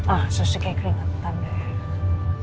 ah susah kayak keringetan deh